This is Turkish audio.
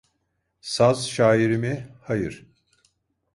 Saz şairi mi? Hayır!